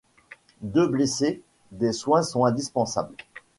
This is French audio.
Deux blessés, des soins sont indispensables.